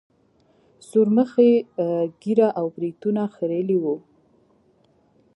سورمخي ږيره او برېتونه خرييلي وو.